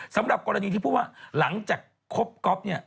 สำหรับกรณีที่พูดว่าหลังจากคบก๊อฟเนี่ย